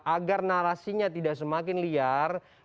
agar narasinya tidak semakin liar